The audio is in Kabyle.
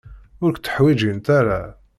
Ur k-tteḥwijint ara.